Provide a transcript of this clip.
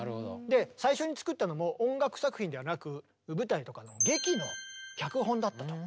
で最初に作ったのも音楽作品ではなく舞台とかの劇の脚本だったと。